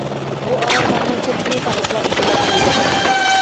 بۇ ئاراللارنىڭ كۆپىنى تاغلىقلار ئىگىلەپ تۇرىدۇ.